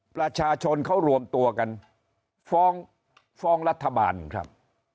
ประชาชนเขารวมตัวกันฟ้องฟ้องรัฐบาลครับ